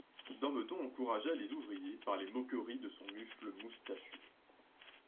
Dambeton encouragea les ouvriers par les moqueries de son mufle moustachu.